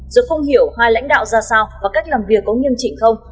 rồi không hiểu hai lãnh đạo ra sao và cách làm việc có nghiêm chỉnh không